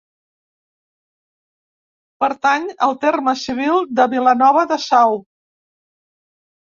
Pertany al terme civil de Vilanova de Sau.